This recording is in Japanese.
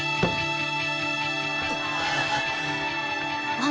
あっ。